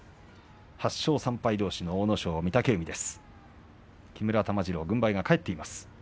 ８勝３敗どうしの阿武咲、御嶽海です。